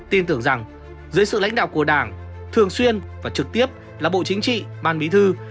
tin tưởng rằng dưới sự lãnh đạo của đảng thường xuyên và trực tiếp là bộ chính trị ban bí thư